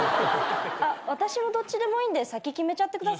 あっ私もどっちでもいいんで先決めちゃってください。